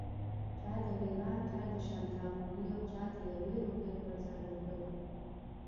چا د غیراڼ، چا د شانداپولي او چا د یوې روپۍ پر ځلوبۍ.